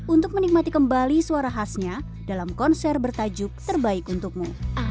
untuk menikmati kembali suara khasnya dalam konser bertajuk terbaik untukmu